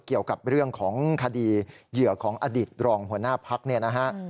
เกี่ยวกับเรื่องของคดีเหยื่อของอดิษฐ์รองผู้หัวหน้าพักษ์